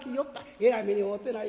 えらい目に遭うてない。